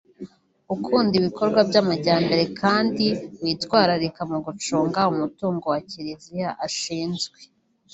ukunda ibikorwa by’amajyambere kandi witwararika mu gucunga umutungo wa kiliziya ashinzwe